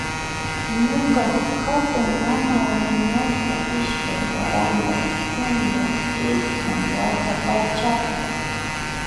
Ñuka hatunmana wañurka iskay waranka chunka iskun wata pachapi